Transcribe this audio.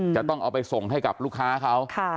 จะต้องเอาไปส่งให้กับลูกค้าเขา